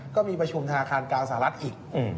ก็มีประชุมธนาคารกลางสหรัฐอีก